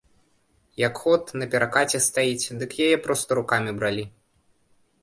Як ход, на перакаце стаіць, дык яе проста рукамі бралі.